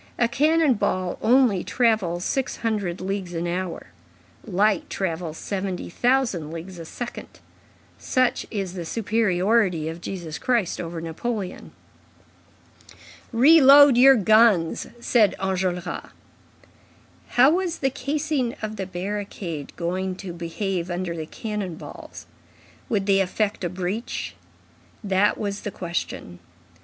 A cannon ball only travels six hundred leagues an hour; light travels seventy thousand leagues a second. Such is the superiority of Jesus Christ over Napoleon." "Reload your guns," said Enjolras. How was the casing of the barricade going to behave under the cannon balls? Would they effect a breach? That was the question.